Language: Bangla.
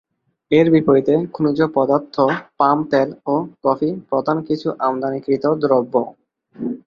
এর বিপরীতে খনিজ পদার্থ, পাম তেল ও কফি প্রধান কিছু আমদানিকৃত দ্রব্য।